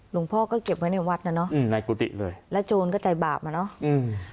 หลวงพ่อก็เก็บไว้ในวัดน่ะเนอะและโจรก็ใจบาปน่ะเนอะอ้าว